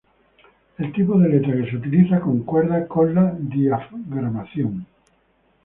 El tipo de letra que se utiliza concuerda con la diagramación.